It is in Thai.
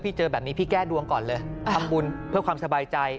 พี่แก้ดวงก่อนเลยทำบุญเพื่อความสบายใจ